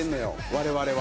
我々は。